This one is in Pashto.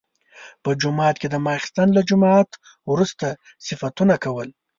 په جومات کې د ماخستن له جماعت وروسته صفتونه کول.